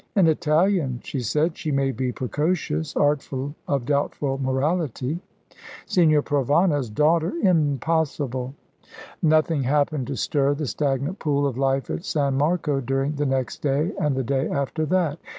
"An Italian!" she said. "She may be precocious artful of doubtful morality." "Signor Provana's daughter! Impossible!" Nothing happened to stir the stagnant pool of life at San Marco during the next day and the day after that.